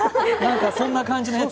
そんな感じのやつ。